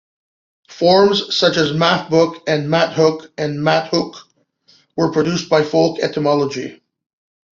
Forms such as "mathooke", "motthook" and "mathook" were produced by folk etymology.